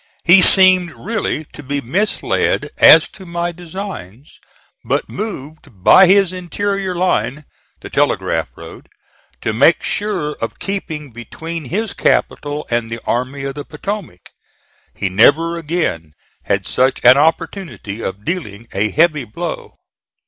He seemed really to be misled as to my designs; but moved by his interior line the Telegraph Road to make sure of keeping between his capital and the Army of the Potomac. He never again had such an opportunity of dealing a heavy blow.